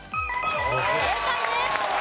正解です！